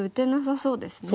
そうですよね。